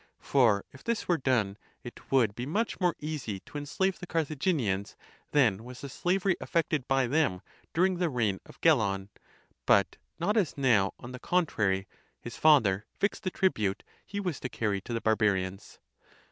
For if this were done, it would be much more easy to enslave the Carthaginians, than was the slavery effected by them during the reign of Gelon; *but not as now on the contrary," his father fixed the tribute he was to carry to the Barbarians.